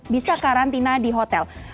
bisa karantina di hotel